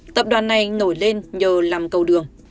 tập đoàn này nổi lên nhờ làm cầu đường